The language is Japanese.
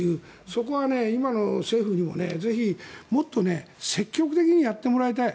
そこは今の政府にもぜひもっと積極的にやってもらいたい。